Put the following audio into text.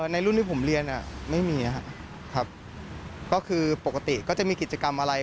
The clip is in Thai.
ในรุ่นที่ผมเรียนไม่มีครับก็คือปกติก็จะมีกิจกรรมอะไร